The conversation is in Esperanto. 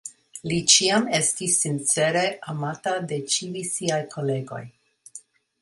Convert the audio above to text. Li ĉiam estis sincere amata de ĉiuj siaj kolegoj.